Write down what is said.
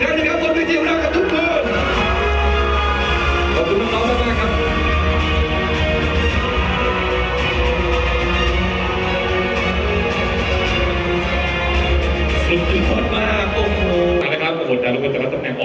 เมื่อเวลาอันดับสุดท้ายมันกลายเป้าหมายเป้าหมาย